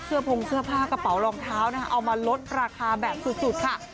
พงเสื้อผ้ากระเป๋ารองเท้านะคะเอามาลดราคาแบบสุดค่ะ